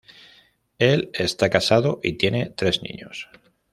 Él está casado y tiene tres niños.